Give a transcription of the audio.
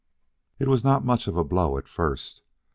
It was not much of a blow at first.